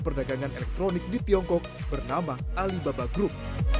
perdagangan elektronik di tiongkok bernama alibaba group